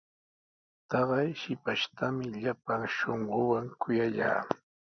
Taqay shipashtami llapan shunquuwan kuyallaa.